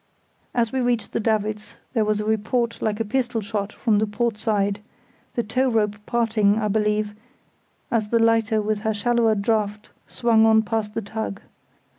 As we reached the davits there was a report like a pistol shot from the port side—the tow rope parting, I believe, as the lighter with her shallower draught swung on past the tug.